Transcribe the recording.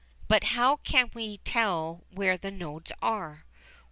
But how can we tell where the nodes are?